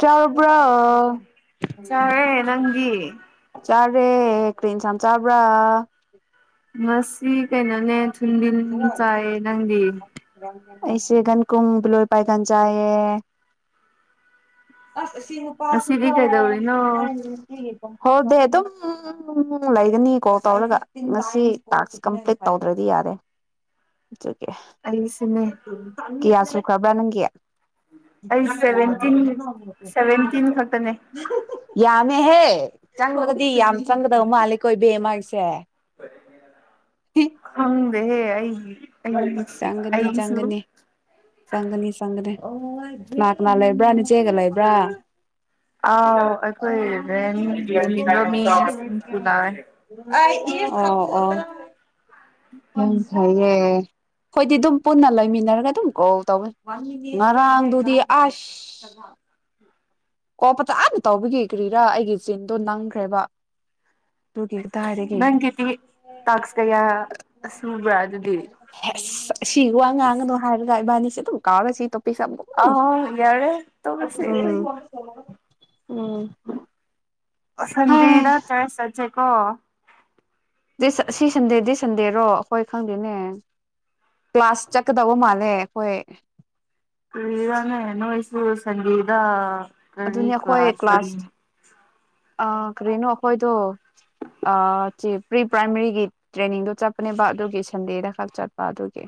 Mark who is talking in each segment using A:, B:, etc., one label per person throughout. A: ꯆꯥꯔꯕ꯭ꯔꯣ
B: ꯆꯥꯔꯦ ꯅꯪꯗꯤ
A: ꯆꯥ ꯔꯦ ꯀ꯭ꯔꯤ ꯏꯟꯁꯥꯡ ꯆꯥꯕ꯭ꯔꯥ
B: ꯉꯁꯤ ꯀꯩꯅꯣꯅꯦ [unintelligible] ꯆꯥꯏꯌꯦ ꯅꯪꯗꯤ
A: ꯑꯩꯁꯦꯒꯟ ꯀꯨꯝꯕ ꯂꯣꯏ ꯄꯥꯏꯒꯥꯟ ꯆꯥꯏꯌꯦ ꯁꯤ ꯅꯨꯄꯥ ꯁꯨꯄ
B: ꯉꯁꯤꯗꯤ
A: ꯇꯣ
B: ꯀꯩꯗꯧꯔꯤꯅꯣ
A: ꯑꯩꯅ ꯅꯨꯄꯤꯒꯤ ꯐꯝ ꯍꯣꯜ ꯗꯦ ꯑꯗꯨꯝ ꯂꯩꯒꯅꯤ ꯀꯣꯜ ꯇꯧꯔꯒ ꯉꯁꯤ ꯇꯥꯛꯁ ꯀꯝꯄ꯭ꯂꯤꯠ ꯇꯧꯗ꯭ꯔꯗꯤ ꯌꯥꯔꯦ ꯆꯠꯀꯦ ꯑꯦ
B: ꯑꯩꯁꯤꯅꯦ
A: ꯀꯌꯥꯁꯨ ꯈ꯭ꯔꯥꯕ꯭ꯔꯥ ꯅꯪꯒꯤ
B: ꯑꯩ ꯁꯚꯦꯟꯇꯤꯟ ꯁꯚꯦꯟꯇꯤꯟ ꯈꯛꯇꯅꯦ
A: [unintelligible] ꯌꯥꯝ ꯅꯦꯍꯦ ꯆꯪꯉꯒꯗꯤ ꯌꯥꯝ ꯆꯪꯒꯗꯕ ꯃꯥꯜꯂꯦꯀꯣ ꯏꯕꯦꯃꯥ ꯒꯤꯁꯦ
B: ꯍꯪ ꯂꯩꯍꯦ ꯑꯩ
A: ꯆꯪꯒꯅꯤ ꯆꯪꯒꯅꯤ ꯆꯪꯒꯅꯤ ꯆꯪꯒꯅꯤ ꯑꯣ ꯀꯅꯥꯀꯅꯥ ꯂꯩꯦꯕ꯭ꯔꯥꯅꯑꯦ ꯆꯦꯒ ꯂꯩꯕ꯭ꯔꯥ
B: ꯑꯥꯎ ꯑꯩꯈꯣꯏ ꯔꯦꯟ ꯂꯩꯃꯤꯟꯅꯕ ꯃꯤ ꯑꯅꯤꯁꯨ ꯂꯥꯛꯑꯦ
A: ꯑꯥꯎ ꯑꯥꯎ ꯎ ꯁꯌꯦ ꯑꯩꯈꯣꯏꯗꯤ ꯑꯗꯨꯝ ꯄꯨꯟꯅ ꯂꯩꯃꯤꯟꯅꯔꯒ ꯑꯗꯨꯝ ꯀꯣꯜ ꯇꯧꯋ ꯉꯔꯥꯡꯗꯨꯗꯤ ꯑꯁ ꯀꯣ ꯐꯆꯥ ꯑꯅ ꯇꯧꯕꯤꯒꯤ ꯀ꯭ꯔꯤꯔꯥ ꯑꯩꯒꯤ ꯆꯤꯟꯗꯣ ꯅꯪꯈ꯭ꯔꯦꯕ ꯑꯗꯨꯒꯤꯇ ꯀꯗꯏꯗꯒꯏ
B: ꯅꯪꯒꯤꯗꯤ ꯇꯥꯛꯁ ꯀꯌꯥ ꯁꯨꯕ꯭ꯔꯥ ꯑꯗꯨꯗꯤ
A: ꯁꯤ ꯋꯥ ꯉꯥꯡꯉꯅꯨ ꯍꯥꯏꯔꯒ ꯏꯕꯥꯅꯤ ꯁꯤꯗꯨꯝ ꯀꯥꯑꯣꯔꯁꯤ
B: ꯑ ꯌꯥꯔꯦ ꯇꯎꯔꯁꯦ ꯑꯩꯈꯣꯏꯗꯤ
A: ꯎꯝ ꯍꯩ
B: ꯁꯟꯗꯦꯗ ꯆꯨꯠꯆ ꯆꯠꯁꯦ ꯀꯉ
A: ꯁꯤ ꯁꯟꯗꯦꯗꯤ ꯁꯟꯗꯦꯔꯣ ꯑꯩꯈꯣꯏ ꯈꯪꯗꯦꯅꯦ ꯀ꯭ꯂꯥꯁ ꯆꯠꯀꯗꯧꯕ ꯃꯥꯜꯂꯦ ꯑꯩꯈꯣꯏ
B: ꯀꯔꯤꯔꯥꯅꯦ ꯁꯟꯗꯦꯗꯥ
A: ꯑꯗꯨꯅꯤ ꯑꯩꯈꯣꯏ ꯀ꯭ꯂꯥꯁ ꯀꯔꯤꯅꯣ ꯑꯩꯈꯣꯏꯗꯣ ꯆ ꯄ꯭ꯔꯤ ꯄ꯭ꯔꯥꯏꯃꯥꯔꯤꯒꯤ ꯇ꯭ꯔꯦꯅꯤꯡꯗꯣ ꯆꯠꯄꯅꯦꯕ ꯑꯗꯨꯒꯤ ꯁꯟꯗꯦꯗ ꯈꯛ ꯆꯠꯄ ꯑꯗꯨꯒꯤ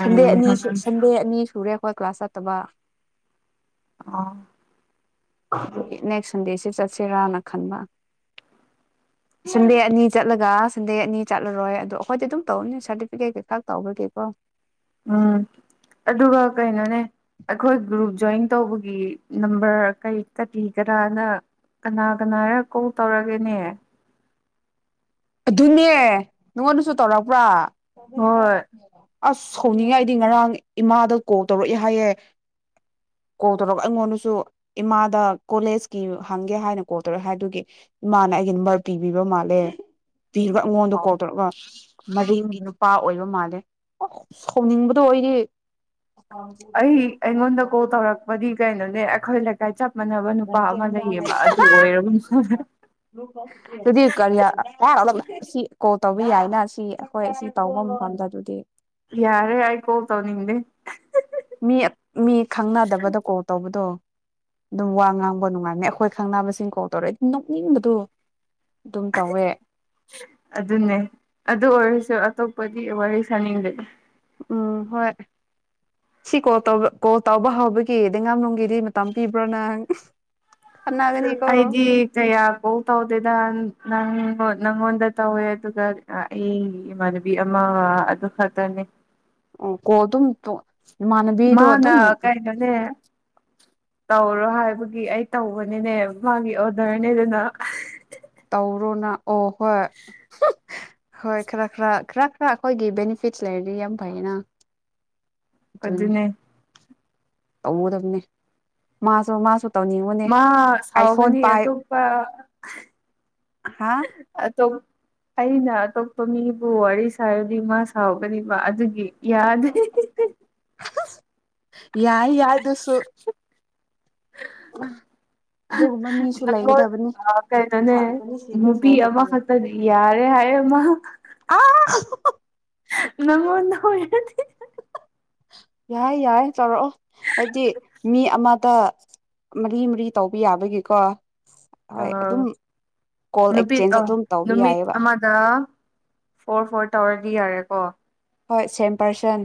A: ꯁꯟꯗꯦ ꯑꯅꯤ ꯁ ꯁꯟꯗꯦ ꯑꯅꯤ ꯁꯨꯔꯦ ꯈꯣ ꯀ꯭ꯂꯥꯁ ꯆꯠꯇꯕ
B: ꯑ
A: ꯅꯦꯛꯁ ꯁꯟꯗꯦꯁꯤ ꯆꯠꯁꯤꯔꯥꯅ ꯈꯟꯕ ꯁꯟꯗꯦ ꯑꯅꯤ ꯆꯠꯂꯒ ꯁꯟꯗꯦ ꯑꯅꯤ ꯆꯠꯂꯔꯣꯏ ꯑꯗꯣ ꯑꯩꯈꯣꯏꯗꯤ ꯑꯗꯨꯝ ꯇꯧꯔꯅꯤ ꯁꯥꯔꯇꯤꯐꯤꯀꯦꯠ ꯈꯛꯀꯤ ꯇꯧꯕꯕꯒꯦꯀꯣ
B: ꯎꯝ ꯑꯗꯨꯒ ꯀꯩꯅꯣꯅꯦ ꯑꯩꯈꯣꯏ ꯒ꯭ꯔꯨꯞ ꯖꯣꯏꯟ ꯇꯧꯕꯒꯤ ꯅꯝꯕꯔ ꯀꯔꯤ ꯀꯔꯤ ꯀꯔꯥꯅ ꯀꯅꯥ ꯀꯅꯥꯔ ꯀꯣꯜ ꯇꯧꯔꯒꯦꯅꯦ
A: ꯑꯗꯨꯅꯦ ꯅꯉꯣꯟꯗꯁꯨ ꯇꯧꯔꯛꯄ꯭ꯔꯥ
B: ꯍꯣꯏ
A: [unintelligible] ꯑꯁ ꯍꯧꯅꯤꯡꯉꯦ ꯑꯩꯗꯤ ꯉꯔꯥꯡ ꯏꯃꯥꯗ ꯀꯣꯜ ꯇꯧꯔꯛꯏꯦ ꯍꯥꯏꯌꯦ ꯀꯣꯜ ꯇꯧꯔꯒ ꯑꯩꯉꯣꯟꯗꯁꯨ ꯏꯃꯥꯗ ꯀꯣꯂꯦꯖꯀꯤ ꯍꯪꯒꯦ ꯍꯥꯏꯅ ꯀꯣꯜ ꯇꯧꯔꯛꯑꯦ ꯍꯥꯏꯗꯨꯒꯤ ꯏꯃꯥꯅ ꯑꯩꯒꯤ ꯅꯝꯕꯔ ꯄꯤꯕꯤꯕ ꯃꯥꯜꯂꯦ ꯄꯤꯔꯒ ꯑꯩꯉꯣꯟꯗ ꯀꯣꯜ ꯇꯧꯔꯒ ꯃꯔꯤꯡꯒꯤ ꯅꯨꯄꯥ ꯑꯣꯏꯕ ꯃꯥꯜꯂꯦ ꯁꯥꯎꯅꯤꯡꯕꯗꯣ ꯑꯩꯗꯤ
B: ꯑꯩ ꯑꯩꯉꯣꯟꯗ ꯀꯣꯜ ꯇꯧꯔꯛꯄꯗꯤ ꯀꯩꯅꯣꯅꯦ ꯑꯩꯈꯣꯏ ꯂꯩꯀꯥꯏ ꯆꯄ ꯑꯣꯏꯔꯕꯅꯤꯅ
A: [unintelligible] ꯀꯣꯜ ꯇꯧꯕꯤ ꯌꯥꯏꯅ ꯁꯤ ꯑꯩꯈꯣꯏ ꯑꯁꯤ ꯇꯧꯕ ꯃꯇꯝꯗ ꯑꯗꯨꯗꯤ
B: ꯌꯥꯔꯦ ꯑꯩ ꯀꯑꯣꯜ ꯇꯧꯅꯤꯪꯗꯦ
A: ꯃꯤ ꯃꯤ ꯈꯪꯅꯗꯕꯗꯣ ꯀꯣꯜ ꯇꯧꯕꯗꯣ꯫ ꯑꯗꯨꯝ ꯋꯥ ꯉꯥꯡꯕ ꯅꯨꯡꯉꯥꯏꯅꯤ ꯑꯩꯈꯣꯏ ꯈꯪꯅꯕꯁꯤꯡ ꯀꯣꯜ ꯇꯧꯔꯛꯦ ꯅꯣꯛꯅꯤꯡꯕꯗꯣ ꯑꯗꯨꯝ ꯇꯧꯋꯦ
B: ꯑꯗꯨꯅꯦ ꯑꯗꯨ ꯑꯣꯏꯔꯁꯨ ꯇꯞꯗꯤ ꯋꯥꯔꯤꯁꯅꯤꯡꯗ
A: ꯎꯝ ꯍꯣꯏ ꯁꯤ ꯀꯣꯜ ꯇ ꯀꯣꯜ ꯇꯧꯕ ꯍꯥꯎꯕꯒꯤꯗꯩꯉꯥꯝꯂꯅꯨꯡꯝꯒꯤꯗꯤ ꯃꯇꯝ ꯄꯤꯕ꯭ꯔꯣ ꯅꯪ ꯈꯠꯅꯒꯅꯤꯀꯣ
B: ꯑꯩꯗꯤ ꯀꯌꯥ ꯀꯧ ꯇꯧꯗꯦꯗ ꯅꯪ ꯅꯪꯉꯣꯟꯗ ꯇꯧꯋꯦ ꯑꯗꯨꯒ ꯑꯩ ꯏꯃꯥꯟꯅꯕꯤ ꯑꯃ ꯑꯗꯨ ꯈꯛꯇꯅꯦ
A: ꯑꯣ ꯀꯣꯗꯨꯝ ꯇ
B: ꯃꯥꯅ ꯀꯥꯏ ꯅꯅꯦ ꯇꯧꯔꯣ ꯍꯥꯏꯕꯒꯤ ꯑꯩ ꯇꯧꯕꯅꯤꯅꯦ ꯃꯥꯒꯤ ꯑꯣꯗꯔꯅꯦꯗꯅ
A: ꯀꯧꯔꯣꯅꯥ ꯑꯣ ꯍꯣꯏ ꯍꯣꯏ ꯈꯔ ꯈꯔ ꯈꯔ ꯈꯔ ꯑꯩꯈꯣꯏꯒꯤ ꯕꯦꯅꯤꯐꯤꯠꯁ ꯂꯩꯔꯗꯤ ꯌꯥꯝ ꯐꯩꯌꯦꯅ
B: ꯑꯗꯨ ꯑꯗꯨꯅꯦ
A: ꯇꯧ ꯇꯝꯅꯤ ꯃꯥꯁꯣ ꯃꯥꯁ
B: ꯃꯥ ꯁꯥꯎꯒꯅꯤ ꯑꯇꯣꯞꯄꯞ
A: ꯍꯥ
B: ꯑꯩꯅ ꯑꯇꯣꯞꯄ ꯃꯤꯕꯨ ꯋꯥꯔꯤ ꯁꯥꯔꯗꯤ ꯃꯥ ꯁꯥꯎꯒꯅꯤꯕ ꯑꯗꯨꯒꯤ ꯌꯥꯗꯦ
A: ꯌꯥꯏ ꯌꯥꯏ ꯑꯗꯨꯁꯨ ꯑꯗꯨꯒꯨꯝꯕ ꯃꯤꯁꯨ
B: ꯅꯉꯣꯟ
A: ꯂꯩꯒꯗꯕꯅꯤ
B: ꯀꯩꯗꯧꯅꯦ ꯅꯨꯄꯤ ꯑꯃꯈꯛꯇ ꯌꯥꯔꯦ ꯍꯥꯏꯌꯦꯃ
A: ꯑꯥ
B: ꯅꯪꯣꯟ ꯍꯗꯤ
A: ꯌꯥꯏ ꯌꯥꯏ ꯆꯥꯎꯧꯔꯛꯑꯣ ꯍꯥꯏꯕꯗꯤ ꯃꯤ ꯑꯃꯗ ꯃꯔꯤ ꯃꯔꯤ ꯇꯧꯕ ꯌꯥꯕꯒꯤꯀꯣ ꯍꯣꯏ ꯑꯗꯨꯝ ꯀꯣꯜ
B: ꯅꯨꯄꯤꯠ
A: ꯑꯦꯛꯆꯦꯟꯖ
B: ꯑ
A: ꯑꯗꯨꯝ ꯇꯧꯕ
B: ꯅꯨꯃꯤꯠ
A: ꯌꯥꯏꯑꯕ
B: ꯑꯃꯗ ꯐꯣꯔ ꯐꯣꯔ ꯇꯧꯔꯗꯤ ꯌꯥꯔꯦ ꯑ
A: ꯍꯣꯏ ꯁꯦꯝ ꯄꯔꯁꯟ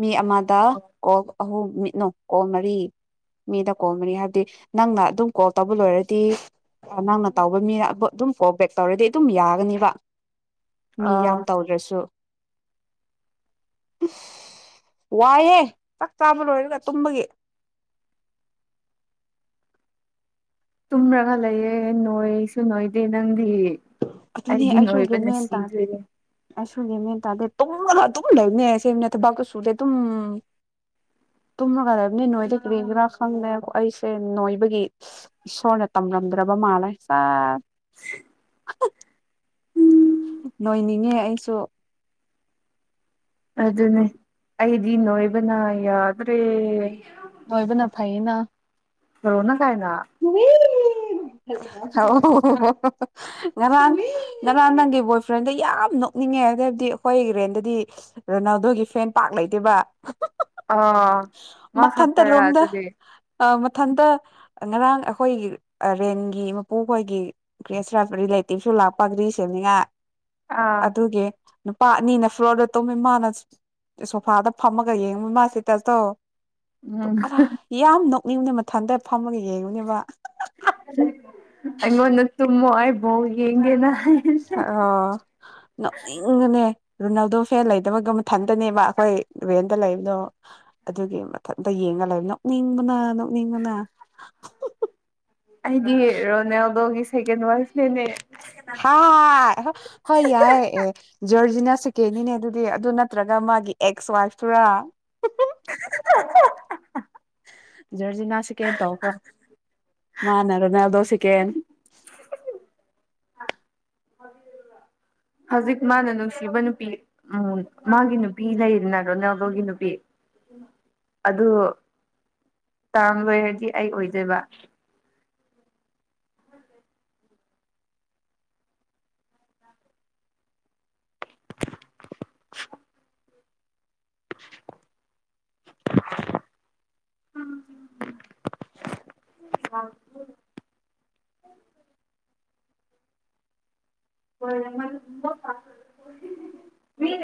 A: ꯃꯤ ꯑꯃꯗ ꯀꯣꯛꯜ ꯑꯍꯨꯝ ꯃꯤꯠꯅꯣ ꯀꯣꯜ ꯃꯔꯤ ꯃꯤꯗ ꯀꯣꯜ ꯃꯔꯤ ꯍꯥꯏꯕꯗꯤ ꯅꯪꯅ ꯑꯗꯨꯝ ꯀꯣꯜ ꯇꯧꯕ ꯂꯣꯏꯔꯗꯤ ꯅꯪꯅ ꯇꯧꯕ ꯃꯤꯅ ꯑꯗꯨꯝ ꯀꯣꯜ ꯕꯦꯛ ꯇꯧꯔꯗꯤ ꯑꯗꯨꯝ ꯌꯥꯒꯅꯤꯕ ꯃꯤ
B: ꯑ
A: ꯌꯥꯝ ꯇꯧꯗ꯭ꯔꯁꯨ ꯋꯥꯏꯍꯦ ꯆꯥꯛ ꯆꯥꯕ ꯂꯣꯏꯔꯒ ꯇꯨꯝꯕꯒꯤ
B: ꯇꯨꯝꯔꯒ ꯂꯩꯌꯦꯦ ꯅꯣꯏꯁꯨ ꯅꯣꯏꯗꯦ ꯅꯪꯗꯤ ꯑꯩꯗꯤ ꯅ ꯑꯣꯏꯕꯅ ꯁꯤꯗꯣꯏꯔꯦ
A: ꯑꯩ ꯁꯨꯅꯦꯦ ꯃꯦꯟ ꯇꯥꯗꯦ ꯇꯨꯝꯃꯒ ꯇꯨꯝꯃ ꯂꯩꯕꯅꯦꯁꯦꯅꯦ ꯊꯕꯥꯛꯇꯨ ꯁꯨꯔꯦ ꯑꯗꯨꯨꯝ ꯇꯨꯝꯃꯒ ꯂꯩꯕꯅꯤ ꯅꯣꯏꯗ ꯀꯔꯤꯗꯔꯥ ꯈꯪꯗꯦ ꯑꯩꯁꯦ ꯅꯣꯏꯕꯒꯤ ꯏꯁꯣꯔꯅ ꯇꯝꯂꯝꯝꯗ꯭ꯔꯕ ꯃꯥꯜꯂꯦ ꯆ ꯍ ꯅꯣꯏꯅꯤꯡꯉꯦ ꯑꯩꯁꯨ
B: ꯑꯗꯨꯅꯦ ꯑꯩꯗꯤ ꯅꯣꯣꯏ ꯑꯗꯨꯅ ꯌꯥꯗ꯭ꯔꯦ
A: ꯂꯣꯏꯕꯅ ꯐꯩꯌꯦꯅ
B: [unintelligible]
A: ꯑꯣ ꯉꯔꯥꯡ ꯉꯔꯥꯡ ꯅꯪꯒꯤ ꯕꯣꯏꯐ꯭ꯔꯦꯟꯗꯣ ꯌꯥꯝ ꯅꯣꯛꯅꯤꯡꯉꯦ ꯑꯗꯩꯩꯗꯤ ꯑꯩꯈꯣꯏꯒꯤ ꯔꯦꯟꯗꯗꯤ ꯔꯣꯅꯥꯜꯗꯣꯒꯤ ꯐꯦꯟ ꯄꯥꯛ ꯂꯩꯇꯦꯕ
B: ꯑꯥ ꯃꯥ
A: ꯃꯊꯟꯇ
B: ꯈꯛꯇꯔꯥ
A: ꯔꯣꯝꯗ
B: ꯑꯗꯨꯗꯤ
A: ꯑ ꯃꯊꯟꯇ ꯉꯔꯥꯡ ꯑꯩꯈꯣꯏꯒꯤ ꯑ ꯔꯦꯟꯒꯤ ꯃꯄꯨꯈꯣꯏꯒꯤ ꯒ꯭ꯔꯦꯁ ꯔꯥꯛ ꯔꯤꯂꯦꯇꯤꯞꯁꯨ ꯂꯥꯛꯄ ꯑꯗꯨꯒꯤ ꯁꯦꯝꯅꯤꯉꯥꯏ
B: ꯑꯥ
A: ꯑꯗꯨꯒꯤ ꯅꯨꯄꯥ ꯑꯅꯤꯅ ꯐ꯭ꯂꯣꯔꯗ ꯇꯨꯝꯃꯦ ꯃꯥꯅ ꯁꯣꯐꯥꯗ ꯐꯝꯃꯒ ꯌꯦꯡꯉꯨ ꯃꯥ ꯏꯁꯇꯦꯇꯁ ꯇꯣ꯫ ꯇꯣ
B: ꯎꯝ
A: ꯑ ꯌꯥꯝ ꯅꯣꯛ ꯃꯤ ꯌꯨꯝꯗ ꯃꯊꯟꯇ ꯐꯝꯃꯒ ꯌꯦꯡꯉꯨꯅꯦꯕ
B: ꯑꯗꯨ ꯑꯩꯉꯣꯟꯗ ꯇꯨꯝꯃꯣ ꯍꯥꯏ ꯕꯣꯜ ꯌꯦꯡꯒꯦꯅ
A: ꯑꯣ ꯅꯣꯛꯅꯤꯡꯕꯅꯦ ꯔꯨꯅꯥꯜꯗꯣ ꯐꯦꯟ ꯂꯩꯇꯕꯒ ꯃꯊꯟꯗꯅꯦꯕ ꯑꯩꯈꯣꯏ ꯔꯦꯟꯗ ꯂꯩꯕꯗꯣ ꯑꯗꯨꯒꯤ ꯃꯊꯟꯇ ꯌꯦꯡꯉ ꯂꯩꯕꯅꯣ ꯅꯣꯛꯅꯤꯡꯕꯅ ꯃꯤꯉꯣꯅ
B: [unintelligible] ꯋꯥꯏꯁꯅꯦꯃꯦ
A: ꯍ ꯍꯣꯏ ꯌꯥꯏꯑꯦ ꯖꯣꯔ ꯁꯤꯅ ꯁꯦꯀꯦꯟꯅꯤꯅꯦ ꯑꯗꯨꯗꯤ ꯑꯗꯨ ꯅꯠꯇ꯭ꯔꯒ ꯃꯒꯤ ꯑꯦꯛꯁ ꯋꯥꯏꯐꯇꯨꯔꯥ꯫
B: [unintelligible]
A: ꯖꯔꯖꯤꯅꯥ ꯁꯦꯀꯦꯟ ꯇꯧꯕ꯭ꯔꯣ꯫ ꯃꯥꯅ ꯔꯣꯅꯥꯜꯗꯣ ꯁꯦꯀꯦꯟ
B: ꯑ ꯍꯧꯖꯤꯛ ꯃꯥꯅ ꯅꯨꯡꯁꯤꯕ ꯅꯨꯄꯤ ꯎꯝ ꯃꯥꯒꯤ ꯅꯨꯄꯤ ꯂꯩꯗꯅ ꯔꯣꯅꯥꯜꯗꯣꯒꯤ ꯅꯨꯄꯤ ꯑꯗꯨ ꯇꯥꯔ꯭ꯃ ꯂꯣꯏꯔꯗꯤ ꯑꯩ ꯑꯣꯏꯗꯣꯏꯕ꯫ [inaudible] [unintelligible] [unintelligible]